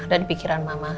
dan di pikiran mama